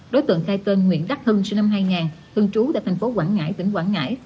đối tượng khai tên nguyễn đắc hưng sinh năm hai nghìn thường trú tại thành phố quảng ngãi tỉnh quảng ngãi